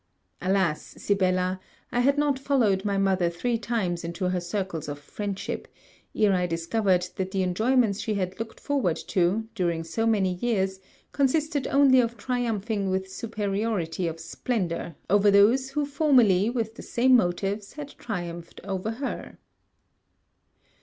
Alas, Sibella, I had not followed my mother three times into her circles of friendship, ere I discovered that the enjoyments she had looked forward to, during so many years, consisted only of triumphing with superiority of splendor over those who formerly with the same motives had triumphed over her.